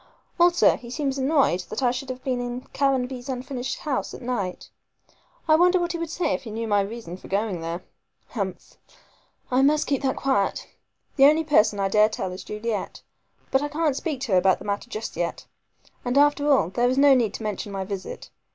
Also he seems annoyed that I should have been in Caranby's unfinished house at night. I wonder what he would say if he knew my reason for going there. Humph! I must keep that quiet. The only person I dare tell is Juliet; but I can't speak to her about the matter just yet. And after all, there is no need to mention my visit.